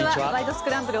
スクランブル」